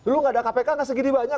lu gak ada kpk nggak segini banyak